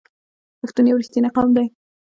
پښتون یو رښتینی قوم دی.